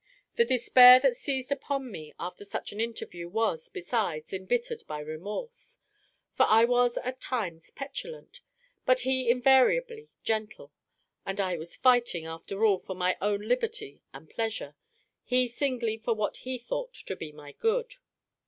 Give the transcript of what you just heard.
The despair that seized upon me after such an interview was, besides, embittered by remorse; for I was at times petulant, but he invariably gentle; and I was fighting, after all, for my own liberty and pleasure, he singly for what he thought to be my good.